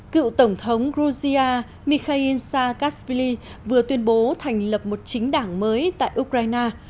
cựu tổng thống georgia mikhail saakashvili vừa tuyên bố thành lập một chính đảng mới tại ukraine